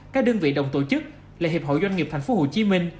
các đơn vị đồng tổ chức lệ hiệp hội doanh nghiệp thành phố hồ chí minh